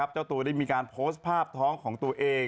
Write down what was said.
ชี้อย่างงี้เลย